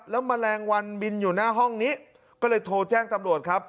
แล้วแมลงวันบินอยู่หน้าห้องนี้ก็เลยโทรแจ้งตำรวจครับ